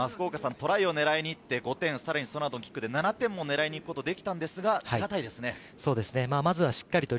トライを狙いに行って５点、さらにその後、キックで７点も狙いに行くことができたんですが、手堅いですね。